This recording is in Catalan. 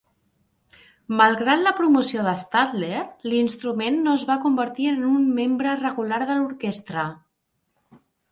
Malgrat la promoció d'Stadler, l'instrument no es va convertir en un membre regular de l'orquestra.